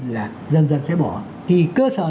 là dần dần sẽ bỏ thì cơ sở